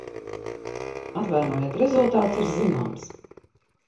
Atvainojiet, rezultāts ir zināms.